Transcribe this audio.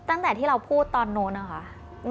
ตั้งแต่ที่เราพูดตอนนู้นนะคะ